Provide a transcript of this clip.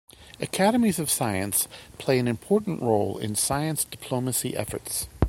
Academies of science play an important role in science diplomacy efforts.